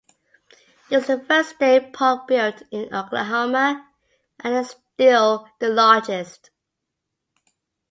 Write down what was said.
It was the first state park built in Oklahoma and is still the largest.